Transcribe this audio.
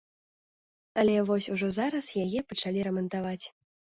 Але вось ўжо зараз яе пачалі рамантаваць.